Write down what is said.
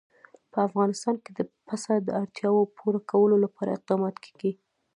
په افغانستان کې د پسه د اړتیاوو پوره کولو لپاره اقدامات کېږي.